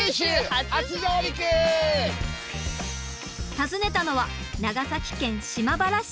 訪ねたのは長崎県島原市。